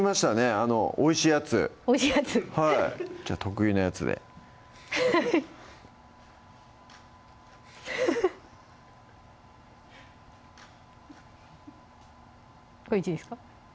あのおいしいやつおいしいやつじゃ得意なやつでこれ１ですか？